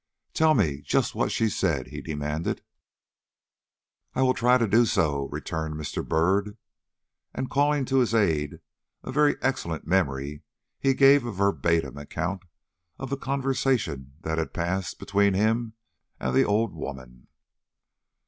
"Tell me just what she said," he demanded. "I will try to do so," returned Mr. Byrd. And calling to his aid a very excellent memory, he gave a verbatim account of the conversation that had passed between him and the old woman.